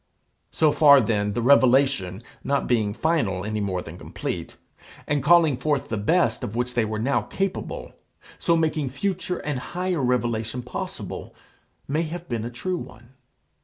So far then the revelation, not being final any more than complete, and calling forth the best of which they were now capable, so making future and higher revelation possible, may have been a true one.